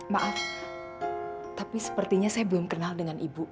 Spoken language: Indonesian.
maaf tapi sepertinya saya belum kenal dengan ibu